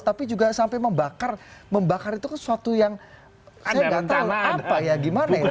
tapi juga sampai membakar itu kan sesuatu yang saya nggak tahu apa ya gimana ya